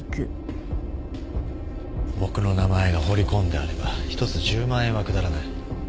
僕の名前が彫り込んであれば１つ１０万円は下らない。